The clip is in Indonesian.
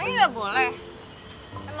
neng aku mau ambil